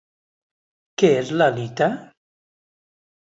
Què és l'halita?